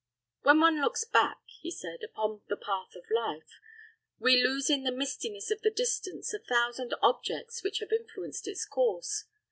"When one looks back," he said, "upon the path of life, we lose in the mistiness of the distance a thousand objects which have influenced its course.